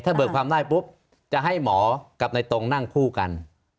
เบิกความได้ปุ๊บจะให้หมอกับในตรงนั่งคู่กัน